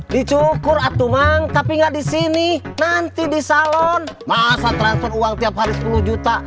dicukur atumang tapi nggak di sini nanti di salon masa transfer uang tiap hari sepuluh juta